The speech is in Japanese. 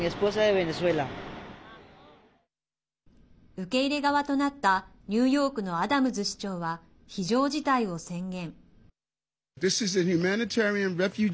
受け入れ側となったニューヨークのアダムズ市長は非常事態を宣言。